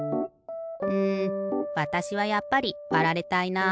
うんわたしはやっぱりわられたいな。